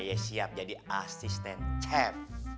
ia siap jadi asisten chef